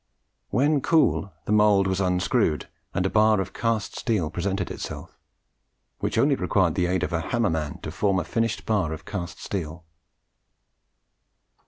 When cool, the mould was unscrewed, and a bar of cast steel presented itself, which only required the aid of the hammerman to form a finished bar of cast steel.